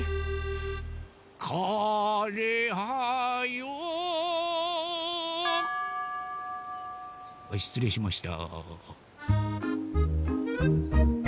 かれはよしつれいしました。